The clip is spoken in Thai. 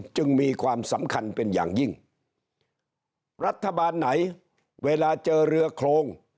จึงมีความสำคัญเป็นอย่างยิ่งรัฐบาลไหนเวลาเจอเรือโครง